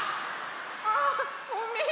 あごめん！